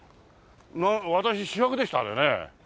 私主役でしたあれね。